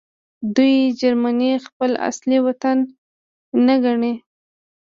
دوی جرمني خپل اصلي وطن نه ګڼي